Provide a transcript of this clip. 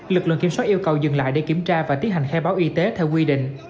lực lượng kiểm soát yêu cầu dừng lại để kiểm tra và tiến hành khai báo y tế theo quy định